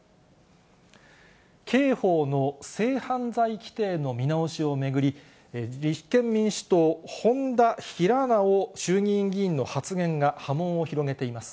刑法の性犯罪規定の見直しを巡り、立憲民主党、本多平直衆議院議員の発言が波紋を広げています。